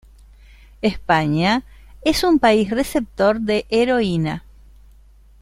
España es un país receptor de heroína.